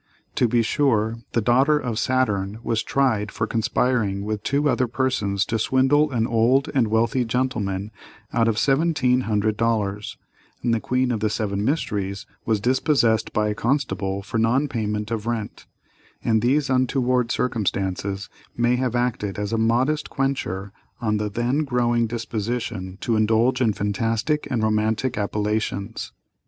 To be sure, the "Daughter of Saturn" was tried for conspiring with two other persons to swindle an old and wealthy gentleman out of seventeen hundred dollars, and the "Queen of the Seven Mysteries" was dispossessed by a constable for non payment of rent; and these untoward circumstances may have acted as a "modest quencher" on the then growing disposition to indulge in fantastic and romantic appellations.